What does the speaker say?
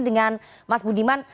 dengan mas budiman